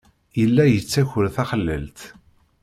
Yella yettaker taxlalt.